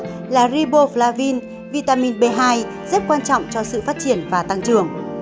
trứng chứa là riboflavin vitamin b hai rất quan trọng cho sự phát triển và tăng trưởng